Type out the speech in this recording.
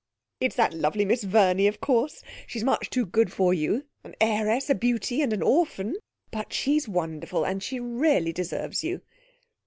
It's that lovely Miss Verney, of course. She's much too good for you an heiress, a beauty, and an orphan! But she's wonderful; and she really deserves you.'